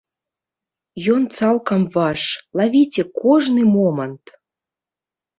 Ён цалкам ваш, лавіце кожны момант!